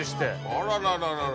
あららららら。